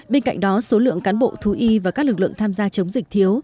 bên cạnh đó số lượng cán bộ thú y và các lực lượng tham gia chống dịch thiếu